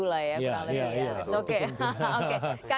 best view lah ya